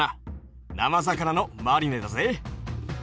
生魚のマリネだぜ。